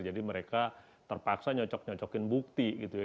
jadi mereka terpaksa nyocok nyocokin bukti gitu ya